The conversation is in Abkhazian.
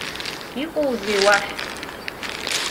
Иҟоузеи уахь?